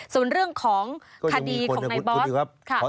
ส่วนเรื่องของคดีของนายบอสค่ะ